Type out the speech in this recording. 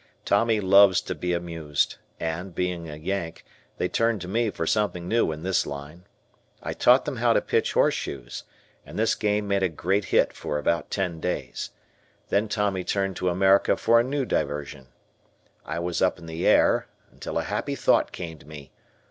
Tommy loves to be amused, and being a Yank, they turned to me for something new in this line. I taught them how to pitch horseshoes, and this game made a great hit for about ten days. Then Tommy turned to America for a new diversion. I was up in the air until a happy thought came to me.